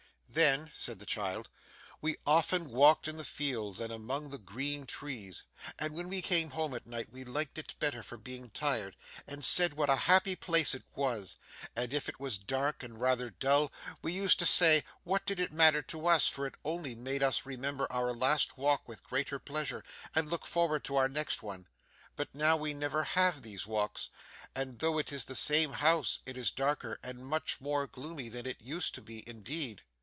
'Then,' said the child, 'we often walked in the fields and among the green trees, and when we came home at night, we liked it better for being tired, and said what a happy place it was. And if it was dark and rather dull, we used to say, what did it matter to us, for it only made us remember our last walk with greater pleasure, and look forward to our next one. But now we never have these walks, and though it is the same house it is darker and much more gloomy than it used to be, indeed!